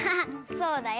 そうだよ。